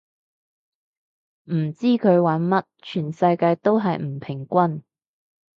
唔知佢玩乜，全世界都係唔平均